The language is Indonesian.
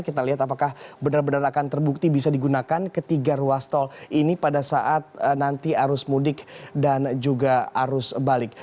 kita lihat apakah benar benar akan terbukti bisa digunakan ketiga ruas tol ini pada saat nanti arus mudik dan juga arus balik